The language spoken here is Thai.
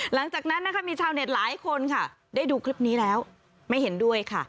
หลังจากนั้นนะคะมีชาวเน็ตหลายคนค่ะได้ดูคลิปนี้แล้วไม่เห็นด้วยค่ะ